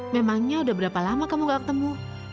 memangnya udah berapa lama kamu gak ketemu